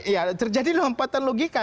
ya terjadi lompatan logika